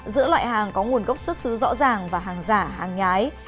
giữa loại hàng có nguồn gốc xuất xứ rõ ràng và hàng giả hàng nhái